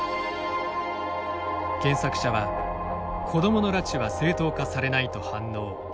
原作者は、「子どもの拉致は正当化されない」と反応。